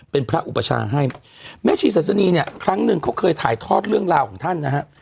เป็นพระอุปชาให้แม่ชีศาสนีเนี่ยครั้งหนึ่งเขาเคยถ่ายทอดเรื่องราวของท่านนะฮะ